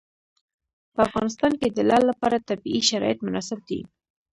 په افغانستان کې د لعل لپاره طبیعي شرایط مناسب دي.